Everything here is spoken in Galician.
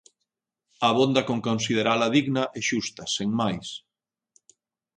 Abonda con considerala digna e xusta, sen mais.